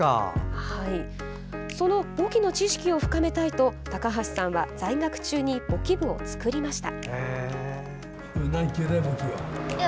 その簿記の知識を深めたいと高橋さんは、在学中に簿記部を作りました。